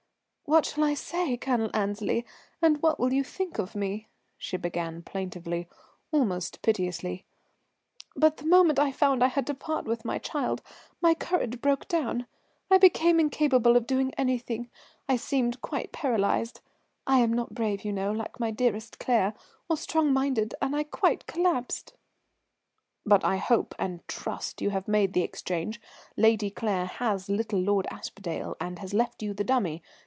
"What shall I say, Colonel Annesley, and what will you think of me?" she began plaintively, almost piteously. "But the moment I found I had to part with my child my courage broke down. I became incapable of doing anything. I seemed quite paralyzed. I am not brave, you know, like my dearest Claire, or strong minded, and I quite collapsed." "But I hope and trust you have made the exchange. Lady Claire has little Lord Aspdale and has left you the dummy?